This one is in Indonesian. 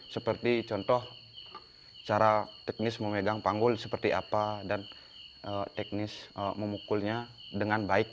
seperti contoh cara teknis memegang panggul seperti apa dan teknis memukulnya dengan baik